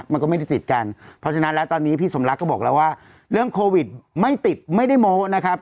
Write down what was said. มันก็ไม่ได้ติดกันเพราะฉะนั้นแล้วตอนนี้พี่สมรักก็บอกแล้วว่าเรื่องโควิดไม่ติดไม่ได้โม้นะครับ